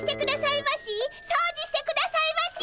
そうじしてくださいまし！